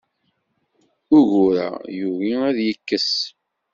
Ugur-a yugi ad yekkes.